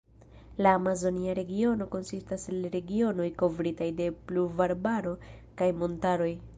La Amazonia Regiono konsistas el regionoj kovritaj de pluvarbaro kaj montaroj.